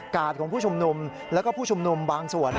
ของผู้ชุมนุมแล้วก็ผู้ชุมนุมบางส่วน